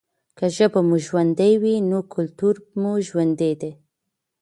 که ژبه مو ژوندۍ وي نو کلتور مو ژوندی دی.